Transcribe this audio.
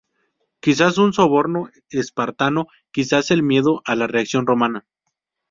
Quizás un soborno espartano, quizás el miedo a la reacción romana.